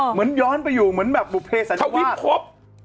เหมือนย้อนไปอยู่เหมือนแบบบุภเพสันทวิตพบ